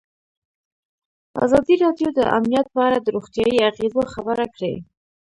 ازادي راډیو د امنیت په اړه د روغتیایي اغېزو خبره کړې.